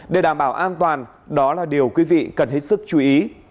để đảm bảo an toàn đó là điều quý vị cần hết sức chú ý